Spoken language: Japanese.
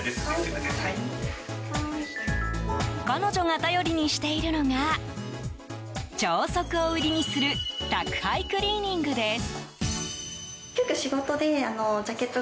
彼女が頼りにしているのが超速を売りにする宅配クリーニングです。